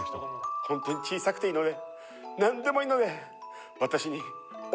本当に小さくていいのでなんでもいいので私にお宝を下さい。